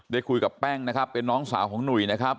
ได้คุยกับแป้งนะครับเป็นน้องสาวของหนุ่ยนะครับ